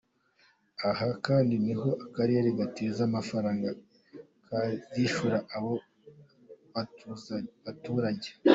Aha kandi niho akarere gateze amafaranga kazishyura abo baturage.